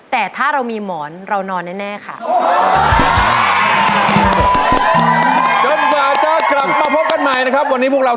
แต่ถ้าเรามีหมอนเรานอนแน่ค่ะ